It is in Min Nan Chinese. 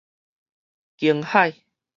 驚訝